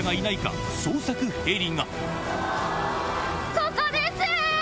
ここです！